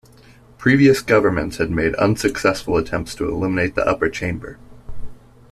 Previous governments had made unsuccessful attempts to eliminate the upper chamber.